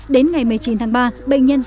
đến ngày một mươi chín tháng ba